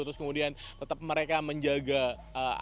terus kemudian tetap mereka menjaga anak